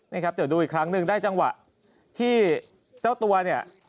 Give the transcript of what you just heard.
นี่ครับเดี๋ยวดูอีกครั้งหนึ่งได้จังหวะที่เจ้าตัวเนี่ย